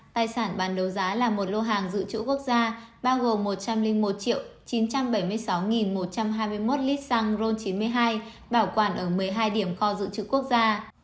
tài sản bán đấu giá là một lô hàng dự trữ quốc gia bao gồm một trăm linh một chín trăm bảy mươi sáu một trăm hai mươi một lít xăng ron chín mươi hai bảo quản ở một mươi hai điểm kho dự trữ quốc gia